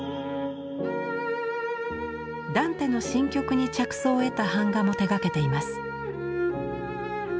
ダンテの「神曲」に着想を得た版画も手がけています。